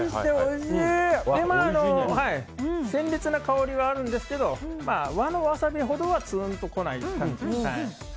鮮烈な香りはあるんですが和のワサビほどはつーんと来ない感じ。